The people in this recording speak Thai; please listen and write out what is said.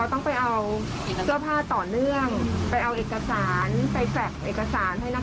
แสดงว่าเราไม่อนุญาตให้ใครเข้าไปตรงนั้น